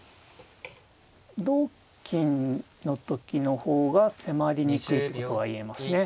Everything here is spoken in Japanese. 同金の時の方が迫りにくいってことが言えますね。